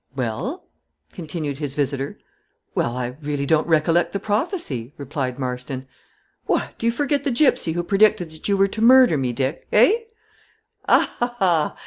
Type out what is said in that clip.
"Well?" continued his visitor. "Well, I really don't recollect the prophecy," replied Marston. "What! do you forget the gypsy who predicted that you were to murder me, Dick eh?" "Ah ha, ha!"